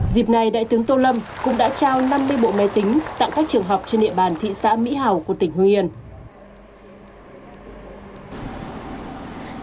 dịp này đại tướng tô lâm cũng đã trao năm mươi bộ máy tính tặng các trường học trên địa bàn thị xã mỹ hào của tỉnh hương yên